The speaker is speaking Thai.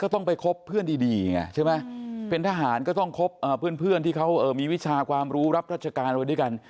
ต้องคบเพื่อนที่เขามีวิชาความรู้รับราชการด้วยด้วยกัน